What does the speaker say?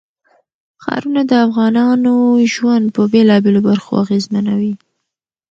ښارونه د افغانانو ژوند په بېلابېلو برخو اغېزمنوي.